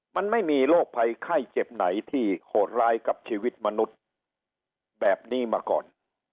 มันไม่มีโรคภัยไข้เจ็บไหนที่โหดร้ายกับชีวิตมนุษย์แบบนี้มาก่อน